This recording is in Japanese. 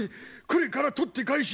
これから取って返し